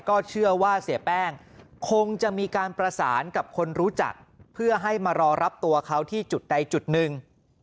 ก็เชื่อว่าเสียแป้งคงจะมีการประสานกับคนรู้จักเพื่อให้มารอรับตัวเขาที่จุดใดจุดหนึ่ง